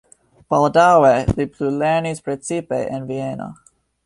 Baldaŭe li plulernis precipe en Vieno.